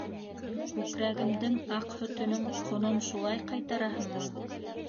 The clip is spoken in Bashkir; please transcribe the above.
Күкрәгемдең аҡ һөтөнөң ҡонон шулай ҡайтараһыңмы?